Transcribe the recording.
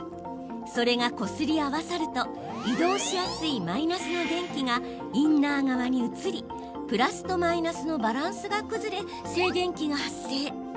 それがこすり合わさると移動しやすいマイナスの電気がインナー側に移りプラスとマイナスのバランスが崩れ、静電気が発生。